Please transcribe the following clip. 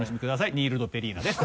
ニールドッペリーナです。